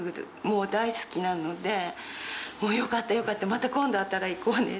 もう大好きなのでもうよかったよかったまた今度あったら行こうね。